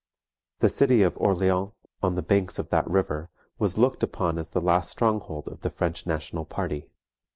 The city of Orleans, on the banks of that river, was looked upon as the last stronghold of the French national party.